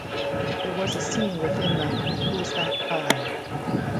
There was a scene within the Who's that Guy?